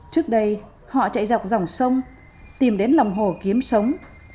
trước đây họ chạy dọc dòng sông tìm đến lòng hồ kiếm sống